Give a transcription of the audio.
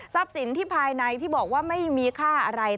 สินที่ภายในที่บอกว่าไม่มีค่าอะไร